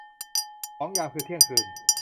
สองยาม คือเที่ยงคืน